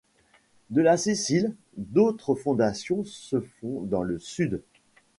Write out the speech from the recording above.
De la Sicile, d'autres fondations se font dans le Sud.